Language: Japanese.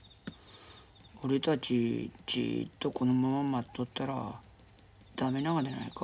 俺たちじっとこのまま待っとったらダメながでないか？